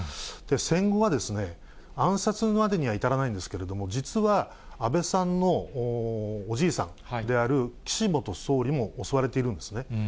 戦後は暗殺までには至らないんですけれども、実は、安倍さんのおじいさんである岸元総理も襲われているんですね。